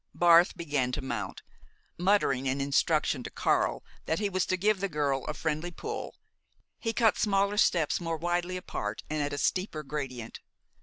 Barth began to mount. Muttering an instruction to Karl that he was to give the girl a friendly pull, he cut smaller steps more widely apart and at a steeper gradient.